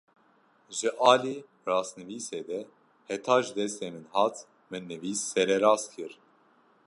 Ji alî rastnivîsê de heta ji destê min hat, min nivîs sererast kir